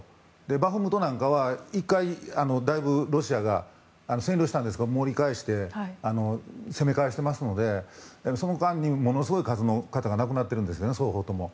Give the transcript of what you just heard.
バフムトなんかは１回だいぶロシアが占領したんですが盛り返して、攻め返してますのでその間にものすごい数の方が亡くなってるんです、双方とも。